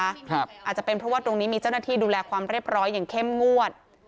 อาจจะเป็นเพราะว่าตรงนี้มีเจ้าหน้าที่ดูแลความเรียบร้อยอย่างเข้มงวด